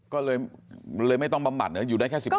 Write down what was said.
ก็เลยไม่ต้องบำบัดอยู่ได้แค่๑๕